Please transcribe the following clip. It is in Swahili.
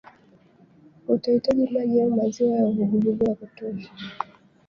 utahiji Maji au maziwa ya uvuguvugu ya kutosha